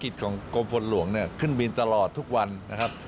ที่มีการกระทรวงเกษตรและสหกรณ์ค่ะ